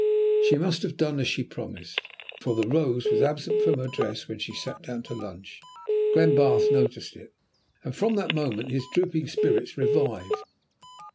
She must have done as she promised, for the rose was absent from her dress when she sat down to lunch. Glenbarth noticed it, and from that moment his drooping spirits revived.